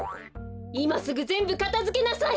いますぐぜんぶかたづけなさい！